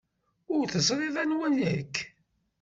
Ur teẓriḍ anwa nekk?